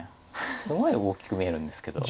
すごい大きく見えるんですけど。